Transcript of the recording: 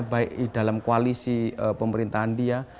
baik di dalam koalisi pemerintahan dia